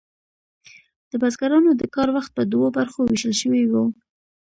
د بزګرانو د کار وخت په دوو برخو ویشل شوی و.